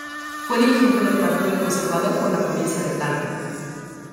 Fue dirigente del partido conservador por la provincia de Talca.